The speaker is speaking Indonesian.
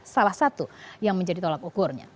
salah satu yang menjadi tolak ukurnya